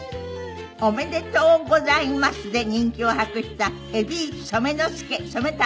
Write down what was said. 「おめでとうございます」で人気を博した海老一染之助・染太郎さん。